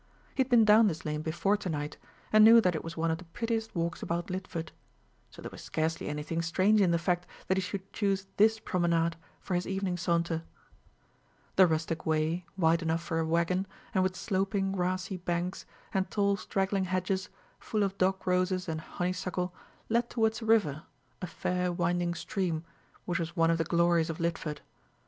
He had been down this lane before to night, and knew that it was one of the prettiest walks about Lidford; so there was scarcely anything strange in the fact that he should choose this promenade for his evening saunter. The rustic way, wide enough for a wagon, and with sloping grassy banks, and tall straggling hedges, full of dog roses and honeysuckle, led towards a river a fair winding stream, which was one of the glories of Lidford.